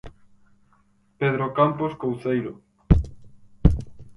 Pedro Campos Couceiro.